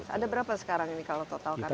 ada berapa sekarang ini kalau total karyawan